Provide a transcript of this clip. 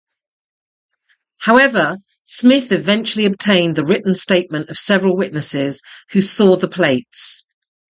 However, Smith eventually obtained the written statement of several witnesses who saw the plates.